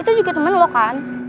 itu juga temen loh kan